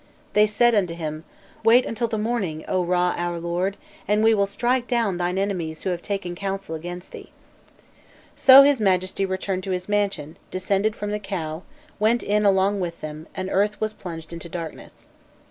"They said unto him: 'Wait until the morning, O Râ! our lord, and we will strike down thine enemies who have taken counsel against thee.' So his Majesty returned to his mansion, descended from the cow, went in along with them, and earth was plunged into darkness.